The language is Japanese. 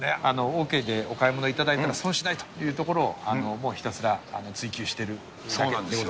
オーケーでお買い物いただいたら、損しないというところを、もうひたすら追求している部分です。